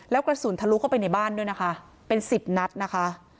แล้วกระสุนทะลุเข้าไปในบ้านด้วยนะคะเป็นสิบนัดนะคะ